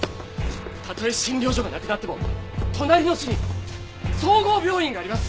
たとえ診療所がなくなっても隣の市に総合病院があります。